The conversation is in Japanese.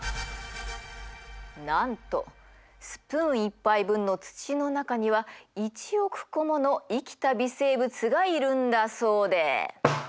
なんとスプーン１杯分の土の中には１億個もの生きた微生物がいるんだそうで。